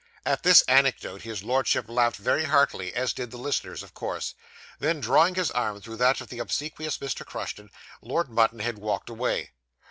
At this anecdote his Lordship laughed very heartily, as did the listeners, of course. Then, drawing his arm through that of the obsequious Mr. Crushton, Lord Mutanhed walked away.